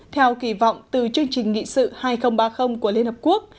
theo kỳ vọng từ chương trình nghị sự hai nghìn ba mươi của liên hợp quốc